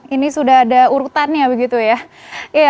ini sudah ada urutannya begitu ya